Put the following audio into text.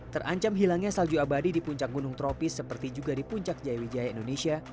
terancam hilangnya salju abadi di puncak gunung tropis seperti juga di puncak jaya wijaya indonesia